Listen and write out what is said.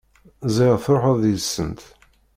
Ziɣ truḥeḍ deg-sent!